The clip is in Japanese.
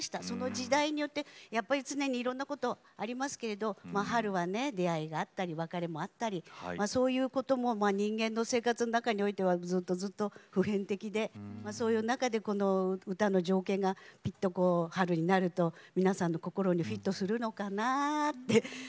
その時代によってやっぱり常にいろんなことありますけど春は出会いがあったり別れもあったりそういうことも人間の生活の中においてはずっとずっと普遍的でそういう中でこの歌の情景が春になると皆さんの心にフィットするのかなって